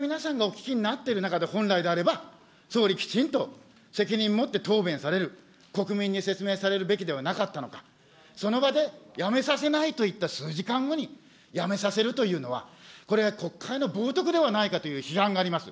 この国会で、国民の皆さんがお聞きになっている中で、本来であれば、総理、きちんと責任持って答弁される、国民に説明されるべきではなかったのか、その場で辞めさせないと言った数時間後に辞めさせるというのは、これは国会の冒とくではないかという批判があります。